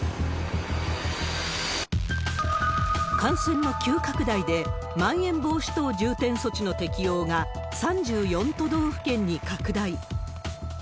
感染の急拡大で、まん延防止等重点措置の適用が３４都道府県に拡大。